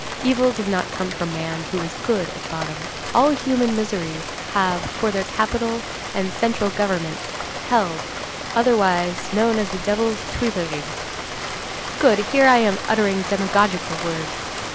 Evil does not come from man, who is good at bottom. All human miseries have for their capital and central government hell, otherwise, known as the Devil's Tuileries. Good, here I am uttering demagogical words!